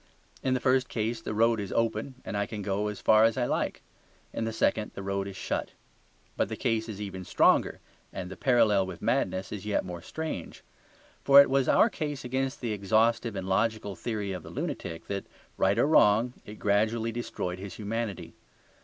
In the first case the road is open and I can go as far as I like; in the second the road is shut. But the case is even stronger, and the parallel with madness is yet more strange. For it was our case against the exhaustive and logical theory of the lunatic that, right or wrong, it gradually destroyed his humanity.